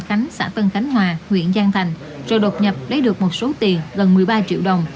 khánh xã tân khánh hòa huyện giang thành rồi đột nhập lấy được một số tiền gần một mươi ba triệu đồng